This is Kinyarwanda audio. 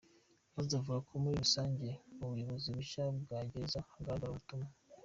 Maze avuga ko muri rusange mu buyobozi bushya bwa gereza hagaragara ubumuntu.